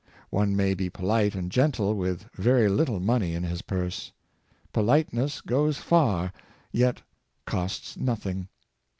One may be polite and gentle with very little money in his purse. Polite ness goes far, yet costs nothing.